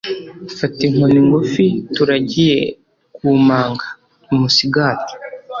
Fata inkoni ngufi turagiye ku manga-Umusigati.